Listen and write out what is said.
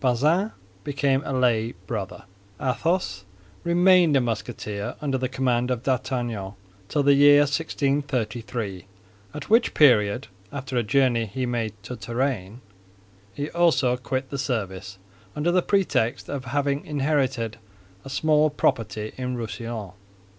Bazin became a lay brother. Athos remained a Musketeer under the command of D'Artagnan till the year 1633, at which period, after a journey he made to Touraine, he also quit the service, under the pretext of having inherited a small property in Roussillon.